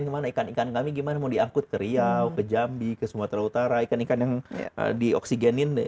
kemana ikan ikan kami gimana mau diangkut ke riau ke jambi ke sumatera utara ikan ikan yang dioksigenin